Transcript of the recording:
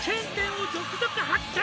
「を続々発見！」